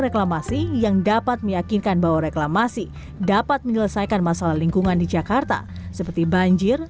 reklamasi yang dapat meyakinkan bahwa reklamasi dapat menyelesaikan masalah lingkungan di jakarta seperti banjir